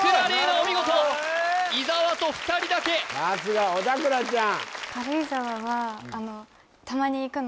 お見事伊沢と２人だけさすが小田倉ちゃん・